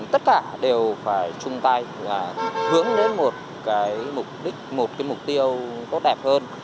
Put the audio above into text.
tất cả đều phải chung tay và hướng đến một cái mục đích một cái mục tiêu tốt đẹp hơn